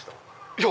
いや。